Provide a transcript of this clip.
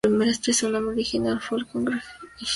Su nombre original fue el de "Congregación Hillcrest".